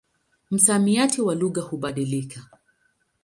Msamiati wa lugha hubadilika.